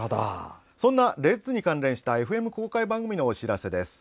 そんな、レッズに関連したＦＭ公開番組のお知らせです。